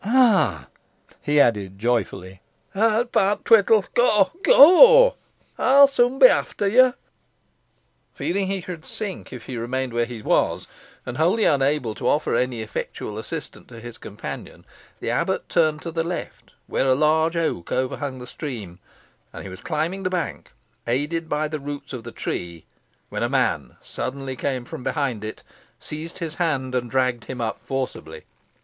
Ha!" he added, joyfully, "Ey'n found t' thwittle. Go go. Ey'n soon be efter ye." Feeling he should sink if he remained where he was, and wholly unable to offer any effectual assistance to his companion, the abbot turned to the left, where a large oak overhung the stream, and he was climbing the bank, aided by the roots of the tree, when a man suddenly came from behind it, seized his hand, and dragged him up forcibly.